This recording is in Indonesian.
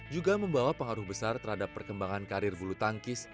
juga membawa pengaruh besar terhadap perkembangan karir bulu tangkis